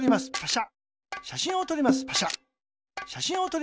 しゃしんをとります。